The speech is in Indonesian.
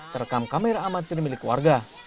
terekam kamera amatir milik warga